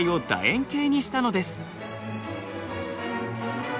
円形にしたのです。